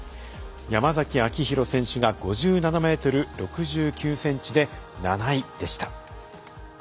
山崎晃裕選手が５７ｍ６９ｃｍで７位でした。